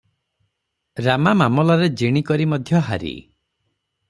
ରାମା ମାମଲାରେ ଜିଣି କରି ମଧ୍ୟ ହାରି ।